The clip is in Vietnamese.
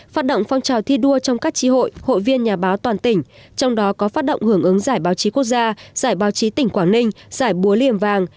phát động phong trào thi đua trong các trí hội hội viên nhà báo toàn tỉnh trong đó có phát động hưởng ứng giải báo chí quốc gia giải báo chí tỉnh quảng ninh giải búa liềm vàng